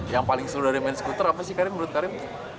yang paling seru dari main skuter apa sih karin menurut karim